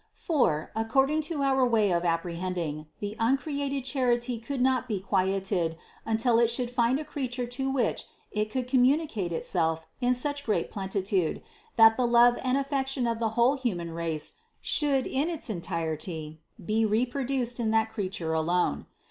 For, according to our way of apprehending, the uncreated Charity could not be 402 CITY OF GOD quieted until It should find a creature to which It could communicate Itself in such great plenitude, that the love and affection of the whole human race should in its en tirety be reproduced in that Creature alone.